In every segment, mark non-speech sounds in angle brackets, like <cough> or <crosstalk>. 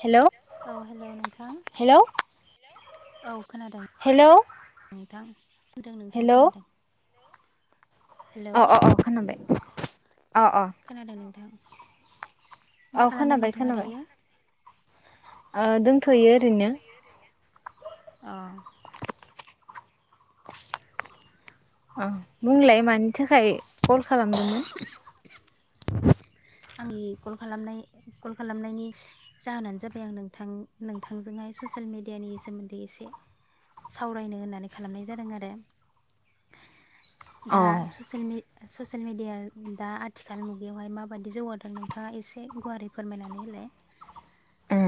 हेल' औ हेलौ नोंथां हेल' औ खोनादों हेल' नोंथां खोनादों नोंथां खोनादों। हेलौ अ अ अ खोनाबाय अ अ। खोनादों नोंथां मा औ खालामदों खोनाबाय नोंथाङा खोनाबाय दायो? ओ दोंथ'यो ओरैनो। अ अ बुंलाय मानि थाखाय कल खालामदोंमोन? आंनि कल खालामनाय कल खालामनायनि जाहोनानो जाबाय आं नोंथां नोंथांजोंहाय ससियेल मेडियानि सोमोन्दै एसे सावरायनो होननानै खालामनाय जादों आरो अ दा ससियेल मेडिया दा आथिखाल मुगायावहाय माब बायददि जौगादों नोंथाङा एसे गुवारै फोरमायनानै होलाय। उम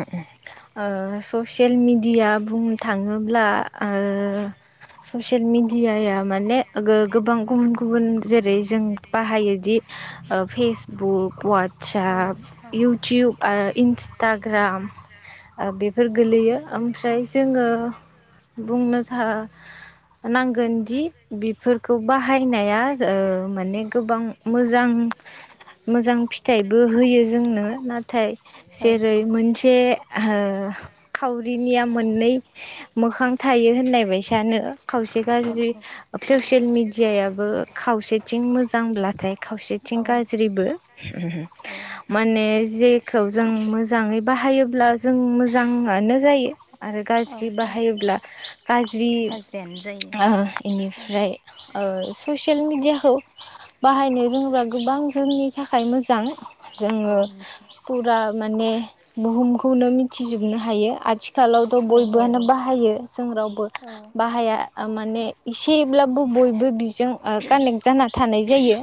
<unintelligible> ससियेल मेडिया बुंनो थाङोब्ला ओ स ससियेल मेडियाया माने गोबां गुबुन गुबुन जेरै जों बाहायोदि फेसबुक, ववाटसप, इउटुब, इन्सटाग्राम बेफोर गोलैयो ओमफ्राय जोङो बुंनो था नांगोन जि बेफोरखौ बाहायनाया ओ‌ माने गोबां मोजां मोजां फिथाइबो होयो जोंनो नाथाय जेरै मोनसे ओ खावरिनिया मोननै मोखां थायो होननाय बायसानो खावसे ससियेल मिडियायाबो खावसेथिं मोजांब्लाथाय खावसेथिं आरो गाज्रिबो माने जेखौ जों मोजाङै बाहायोब्ला जों मोजाङानो जायो आरो औ गाज्रि औ बाहायोब्ला गाज्रि गाज्रियानो जायो ओ इनिफ्राय ओ ससियेल मिडियाखौ बाहायनो रोङोब्ला गोबां जोंनि थाखाय थाखाय मोजां मोजां जोङो औ फुरा माने बुहुम खौनो मिथिजोबनो हायो आथिखा आथिखालावथ' बयबोआनो नोंथां बाहायो जों रावबो औ बाहाया माने इसे थेवब्लाबो बयबो बिजों कानेक्ट जाना थानाय जायो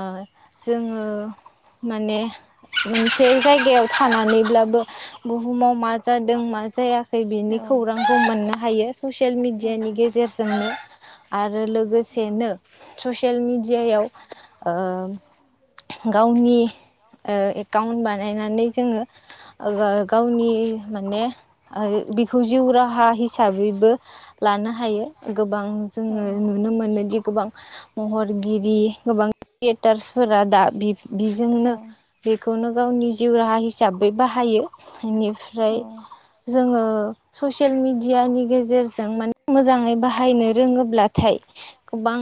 ओ जोङो माने मोनसे जायगायाव थानानैब्लाबो बुहुमाव मा जादों मा जायाखै बिनि खौरांखौ मोननो हायो ससियेल मेडियानि गेजेरजोंनो आरो आरो लोगोसेनो ससियेल मेडियायाव गावनि एकाउन्ट बानायनानै जोङो गावनि माने बेखौ जिउ राहा हिसाबैबो लानो हायो गोबां जोङो नुनो मोनो दि गोबां महरगिरि गोबां क्रियेटार्सफोरा दा बिजोंनो बेखौनो गावनि जिउ राहा साबै बाहायो बेनिफ्राय औ जोङो ससियेल मिडियानि गेजेरजों जों म मोजाङै बाहायनो रोङोब्लाथाय गोबां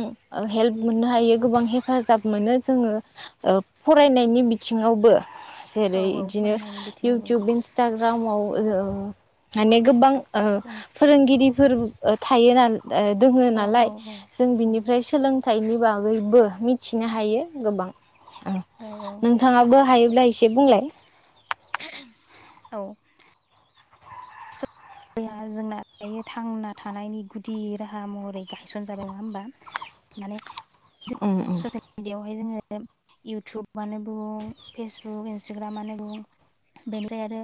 हेल्प मोननो हायो गोबां हेफाजाब मोनो जोङो ओ फ फरायनायनि बिथिङावबो औ जेरै औ यो फरायनायनि बिथिङावबो इउथुब इनसथालग्राम माव माने गोबां ओ जों फोरोंगिरिफोर थायो ना ए दोङो औ औ नालाय जों बिनिफ्राय सोलों फिथाइनि बागैबो मिथिनो हायो गोबां ओम औ नोंथाङाबो हायोब्ला एसे बुंलाय औ जया जोंना दायो थांना थानायनि गुदि राहा महरै गायसनज जादों नङा होमबा माने उम उम ससियेल मिडियाआवहाय जोङो इउटुबानो बुं फेसबुक, इन्सटाग्रामानो बुं बेनिफ्राय आरो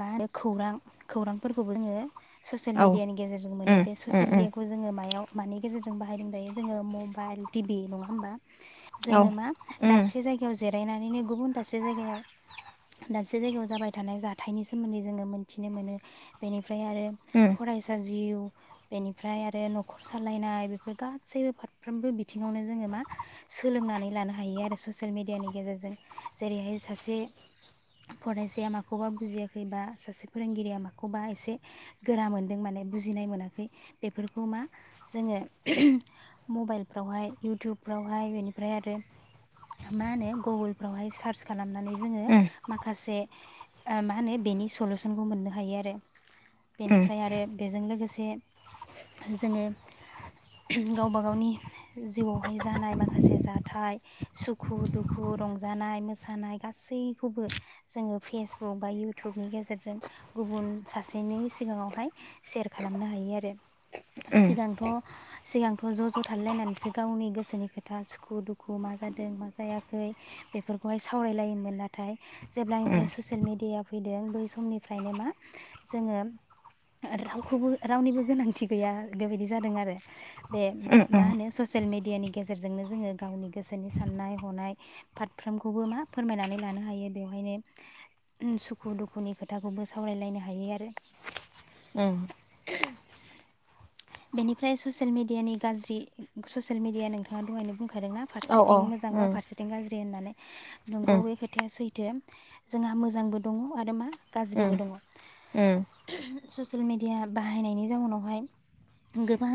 मा होनो खौरां खौरांफोरखौबो जोङो ससियेल औ मिडियानि गेजेरजों मोनो उम बे उम ससियेल उम मिडियाखौ जोङो मायाव मानि गेजेरजों बाहायदों दायो जोङो मबाइल टिभि नङा होमबा औ जोङो मा उम दाबसे जायगायाव जेर दायनानैनो गुबुन दाबसे जायाव दाबसे जायगायाव जाबाय थानाय जाथायनि सोमोन्दै जोङो मोनथिनो मोनो बिनि ओमफ्राय आरो उम फरायसा जिउ बेनिफ्राय आरो न'खर सालायनाय बेफोर गासै फारफ्रामबो बि बिथिङावनो जोङो मा सोलोंनानै लानो हायो आरो ससियेल मेडियानि गेजेरजों। जेरैहाय सासे फरायसाया माखौबा बुजियाखै बा सासे फोरोंगिरिया माखौबा एसे गोरा मोनदों माने बुजिनाय मोनाखै बेफोरखौ मा जोङो मबाइल फ्रावहाय इउटुबफ्रावहाय बेनिफ्राय आरो मा होनो गुगोलफ्रावहाय सार्च खालामनानै जोङो उम माखासे आ मा होनो बेनि सलुसनखौ मोननो हायो आरो। उम बेनिफ्राय आरो बेजों लोगो से जोङो गावबा गावनि जिउआवहाय जानाय माखासे जाथाय सुखु-दुखु रंजानाय मोसानाय गासैखौबो जोङो फेसबुक बा इउटुबनि गेजेरजों गुबुन सासेनि सिगाङावहाय सेयार खालामनो हायो आरो उम सिगांथ' सिगांथ' ज' ज' थालायलायनानैसो गावनि गोसोनि खोथा सुखु-दुखु मा जादों मा जायाखै बेफोरखौहाय सावरायलायोमोन नाथाय जेब्लानिफ्राय उम ससियेल मेडियाया फैदों बै समनिफ्रायनो मा जोङो ओ रावखौबो रावनिबो गोनांथि गैया बेबायदि जादों आरो बे उम मा उम होनो ससियेल मेडियानि गेजेरजोंनो जोङो गावनि गोसोनि साननाय हनाय फारफ्रोमखौबो मा फोरमायनानै लानो हायो बेवहायनो सुखु-दुखुनि खोथाखौबो सावरायलायनो हायो आरो। उम बेनिफ्राय ससियेल मेडियानि गाज्रि ससियेल मिडिया नोंथाङा दहायनो बुं खादों ना औ फारसेथिं औ मोजां बा उम फारसेथिं गाज्रि होननानै उम नंगौ बे खोथाया सैथो जोंहा मोजांबो दङ आरो मा गाज्रिबो उम दङ‌ उम ससियेल मेडिया बाहायनायनि जाउनावहाय गोबां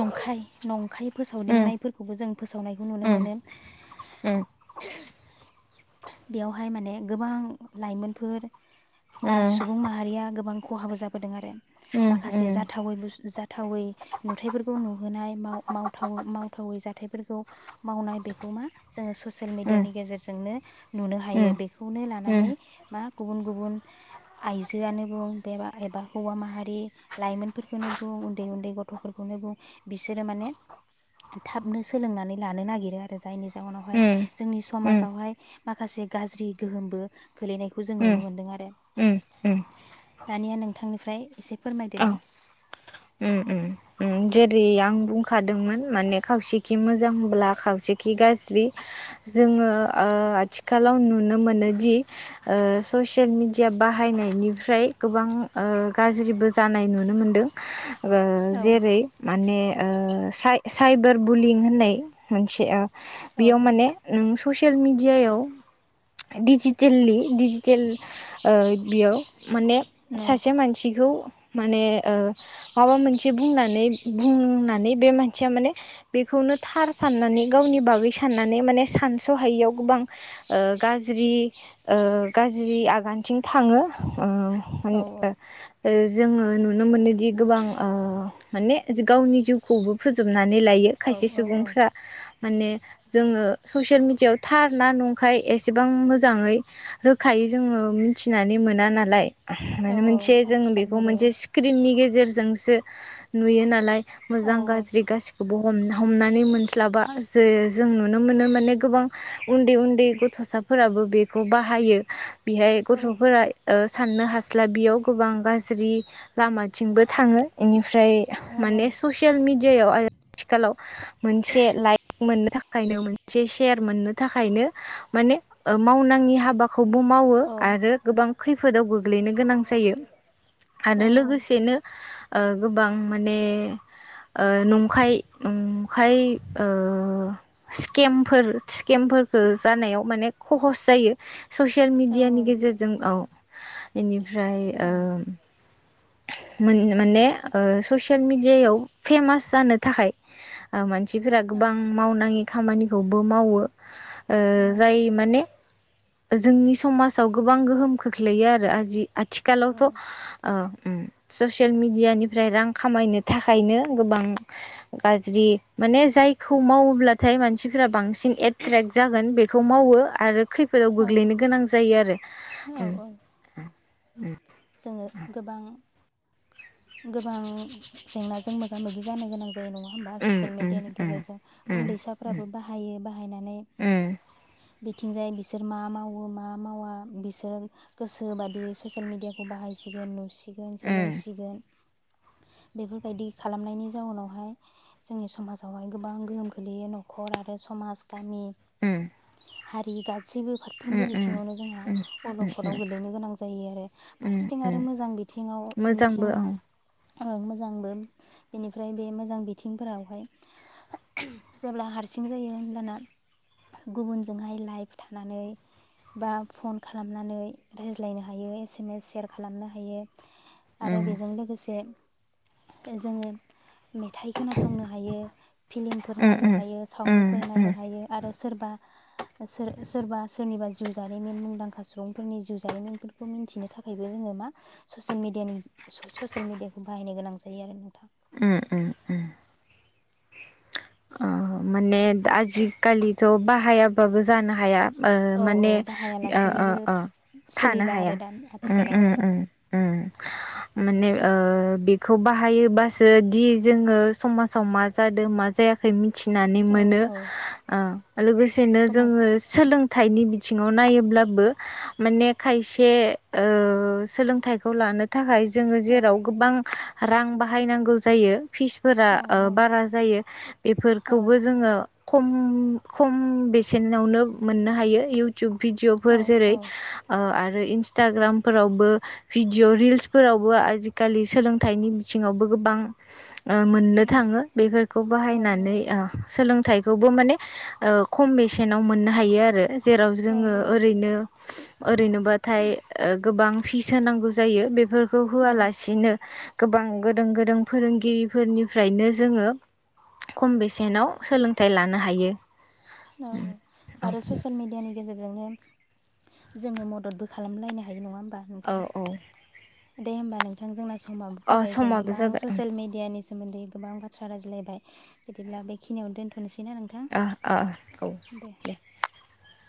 नंखाय नंखाय उम फोसावदिंनायफोरखौबो जों फोसावनायखौ नुनो उम उम मोनो उम बेयावहाय माने गोबां लाइमोनफोर बा सुबुं माहारिया गोबां खहाबो जाबोदों आरो माखासे जाथावै बुस जाथावै नुथायाइफोरखौ नुहोनाय माव मावथा मावथावै जाथायफोरखौ मावनाय बेखौ मा जोङो ससियेल मेडियानि गेजेरजोंनो नुनो हायो बेखौनो लानानै मा गुबुन गुबुन आइजोआनो बुं एबा हौवा माहारि लाइमोनफोरखौनो बुं उन्दै उन्दै गथ'फोरखौनो बुं बिसोरो माने थाबनो सोलोंनानै लानो नागिरो आरो जायनि जाहनावहाय जोंनि समाजावहाय माखासे गाज्रि गोहोमबो गोलैनायखौ जों नुनो मोन्दों आरो। दानिया नोंथांनिफ्राय एसे फोरमायदोलाय। ओम जेरै आं बुंखादोंमोन माने खावसेथिं मोजांब्ला खावसेखै गाज्रि जोङो ओ आथिखालाव नुनो मोनोदि ओ ससियेल मेडिया बाहायनायनिफ्राय गोबां ओ गाज्रिबो जानाय नुनो मोनदों ओ औ जेरै माने ओ साइ साइबार बुलिं होननाय मोनसे ओं औ बेयाव माने उम ससियेल मेडियायाव डिजिटेलि दिजिटेल ओ बेयाव माने नौ सासे मानसिखौ माने ओ माबा मोन से बुंनानै बुंनानै बे मानसिया माने बेखौनो थार साननानै गावनि बागै साननानै माने सानस'हायियाव गोबां ओ गाज्रि ओ गाज्रि आगानथिं थाङो ओ उम ओ औ ओ जोङो नुनो मोनो दि गोबां ओ माने गावनि जिउखौबो फोजोबना नै लायो खायसे औ औ औ सुबुंफ्रा। माने जोङो ससियेल मेडियायाव थार ना नंखाय एसेबां मोजाङै रोखायै जोङो मिथिनानै मोना नालाय औ मानो औ मोनसे जों आथिखाल बेखौ मुगायाव मोनसे स्क्रिननि गे जेरजोंसो नुयो नालाय औ मोजां गाज्रि गासिखौबो हम हमनानै मोनस्लाबा जे जों नुनो मोनो माने गोबां उन्दै उन्दै गथ'साफोराबो बेखौ बाहायो बेहाय औ गथ'फोरा ओ साननो हास्लाबियाव गोबां गाज्रि लामाथिंबो थाङो। एनि फ्राय औ माने ससियेल मिडि दियाव आरो थिखालाव मोनसे लाइक मोननो थाखायनो मोनसे सेर मोननो थाखायनो माने मावनांयि हाब बाखौबो मावो औ औ आरो गोबां खैफोदाव गोग्लैनो गोनां जायो आरो लोगोसेनो ओ गोबां माने ओ नंखाय नंखाय ओ स्केमफोर स्केमफोरखो जानायाव माने खहस जायो। ससियेल मेडियानि गेजेरजों औ एनि फ्राय ओम मोननो माने ओ ससियेल मेडियायाव फेमास जानो थाखाय ओ मानसि सिफोरा गोबां मावनाङि खामानिखौबो मावो। ओ जाय माने जोंनि समाजाव गोबां गोहोम खोख्लैयो आरो आजि आथिखालावथ' ओ उम सस सियेल मिडियानिफ्राय रां खामायनो थाखायनो गोबां गाज्रि माने जायखौ मावोब्लाथाय मानसिफोरा बांसिन सिन एट्रेक जागोन बे खौ मावो आरो खै फोदाव औ गोग्लैनो गोनां जायो आरो उम जोङो गोबां गोबां जेंनाजों मोगा मोगि जानो गोनां। यो नङा होमबा उम ससियेल मिडियानि उम गेजेरजों उम उम उन्दैसाफ्राबो बाहायो बाहायनानै उम बि थिंजाय बिसोर मा मावो मा मावा बिसोर गोसो बादि ससियेल मिडिया है बाहायसिगोन नुसि सिगोन उम सोलोंसिगोन बेफोरबायदि खालामनायनि जाउनावहाय जोंनि समाजावहाय गोबां गोहोम खोलैयो न'खर आरो समाज गामि उम हारि गा सैबो फारफ्रोमबो उम उम बिथिङावनो जोंहा अलखदाव उम गोग्लैनो गोनां जायो आरो। उम फारसेथिं आरो उम मोजां बिथिङाव मोजांबो मिथिं औ औ मोजांबो बेनिफ्राय बे मोजां बिथिंफोरावहाय जेब्ला हारसिं जायो होमब्लाना गुबुनजोंहाय लाइभ थानानै बा फन खालामनानै रायज्लायनो हायो एसे सेयार खालामनो हायो। आरो उम बेजों लोगोसे जोङो मेथाइ खोनासंनो हायो। फिल्मफोर उम नायनो उम हायो सावमुफोर उम नायनो हायो। आरो सोर बा सोर सोरबा सोरनिबा जिउ जारिमिन मुंदांखा सुबुंफोरनि जिउ जारिमिनफोरखौ मिन्थिनो थाखायबो जोङो मा ससियेल मिडियानि ससियेल मिडियाखौ बाहायनो गोनां जायो आरो नोंथां। उम उम उम ओ माने आजिखालिथ' बाहायाबाबो जानो हाया। ओ औ औ माने ओ ओ बाहायालासिनोबो ओ थानो सोलिला हाया आरो दा उम आथिखालाव उम औ उम उम। माने ओ बेखौ बाहायोबासो दि जोङो समाजाव मा जादों मा जाया खै मि थिनानै औ मोनो औ लोगोसेनो समाज जोङो सोलों थाइनि बिथिङाव नायोब्लाबो माने खायसे सोलोंथाइखौ लानो थाखाय जोङो औ जेराव गोबां रां बाहायनांगौ जायो। फिसफोरा औ बारा जायो, बेफोरखौबो जोङो खम खम बेसेनावनो मोननो हायो। इउटुब औ भिडिअफोर जेरै ओ आरो इन्सटाग्रामफोरावबो भिडिअ रिल्सफोरावबो आजिखालि सोलोंथाइनि बिथिङावबो गोबां मोननो थाङो बेफोरखौ औ बाहायना नै ओ सोलोंथाइ खौबो माने खम बेसेनाव मोननो हायो आरो। जेराव जोङो ओरैनो ओरैनोबाथाय गोबां फिस होनांगौ जायो बेफोर खौ होआलासिनो गोबां गोरों गोरों फोरोंगिरिफोरनिफ्रायनो जोङो खम बेसेनाव सोलोंथाइ लानो हायो। औ औ आरो ससियेल मिडियानि गेजेरजोंनो जोङो मददबो खालामलायनो हायो नङा औ नोंथां औ दे होमबा नोंथांजों <unintelligible> समाबबो अ फैबाय जों समाबो गोबां जाबाय ओं ससियेल मिडियानि सोमोन्दै <unintelligible> बेखिनियावनो दोनथ'नोसै औ औ <unintelligible>